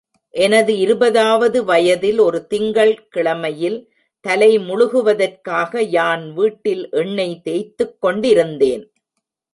எனது இருபதாவது வயதில் ஒரு திங்கள் கிழமையில் தலை முழுகுவதற்காக யான்வீட்டில் எண்ணெய் தேய்த்துக் கொண்டிருந்தேன்.